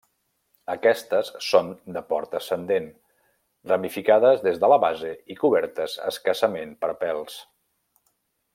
Aquestes són de port ascendent, ramificades des de la base i cobertes escassament per pèls.